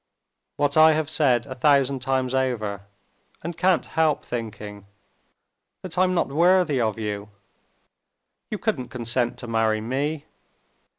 "What I have said a thousand times over, and can't help thinking ... that I'm not worthy of you. You couldn't consent to marry me.